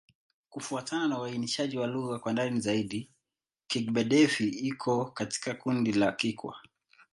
Kufuatana na uainishaji wa lugha kwa ndani zaidi, Kigbe-Defi iko katika kundi la Kikwa.